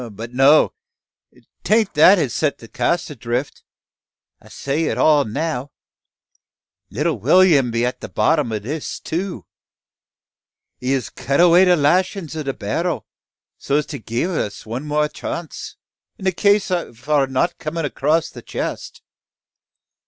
But no! Tain't that has set the cask adrift. I set it all now. Little Will'm be at the bottom o' this too. He has cut away the lashin's o' the barrel, so as to gie us one more chance, in the case o' our not comin' across the chest.